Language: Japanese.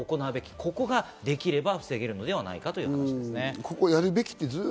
ここができれば防げるのではないかという話です。